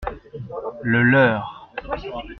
Le leur.